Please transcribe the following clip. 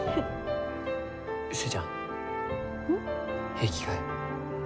平気かえ？